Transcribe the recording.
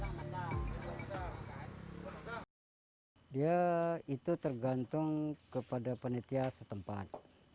gasing tergantung pada penelitian setempat